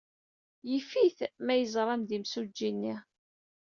Yif-it ma yeẓram-d imsujji-nni.